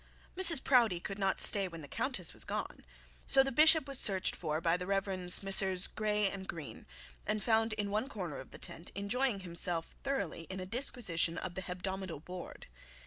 Mrs Proudie could not stay when the countess was gone. So the bishop was searched for by the Revs. Messrs. Grey and Green, and found in one corner of the tent enjoying himself thoroughly in a disquisition on the hebdomadal board.